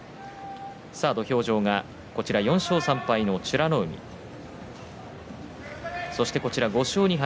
土俵上は４勝３敗の美ノ海そして、５勝２敗